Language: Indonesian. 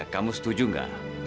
kamu setuju nggak